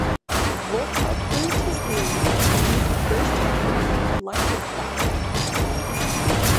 Volta proved his theory by creating the first chemical electric battery.